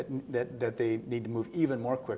kapital manusia kapasitas manusia